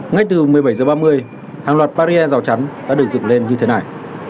ngay từ một mươi bảy h ba mươi hàng loạt barrier rào chắn đã được dựng lên như thế này